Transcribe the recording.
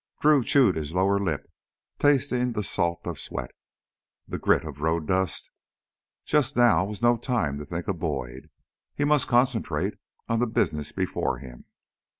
Drew chewed his lower lip, tasting the salt of sweat, the grit of road dust. Just now was no time to think of Boyd; he must concentrate on the business before him.